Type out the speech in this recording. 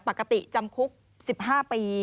ปกติจำคุก๑๕ปี